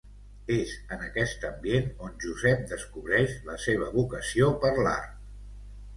És en aquest ambient on Josep descobreix la seva vocació per l'art.